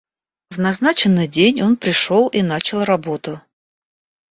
В назначенный день он пришел и начал работу.